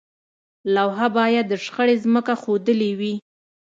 لوحه باید د شخړې ځمکه ښودلې وي.